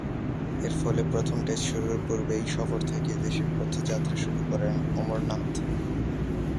এরফলে প্রথম টেস্ট শুরুর পূর্বেই সফর থেকে দেশের পথে যাত্রা শুরু করেন অমরনাথ।